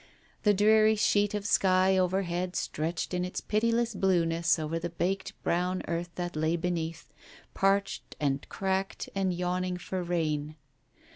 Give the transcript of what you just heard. The dreary sheet of sky overhead stretched in its pitiless blueness over the baked brown earth that lay beneath, parched and cracked and yawn ing for rain.